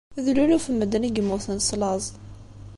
D luluf n medden i yemmuten s laẓ.